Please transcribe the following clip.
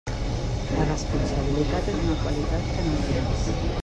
La responsabilitat és una qualitat que no tens.